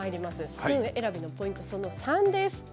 スプーン選びのポイント３です。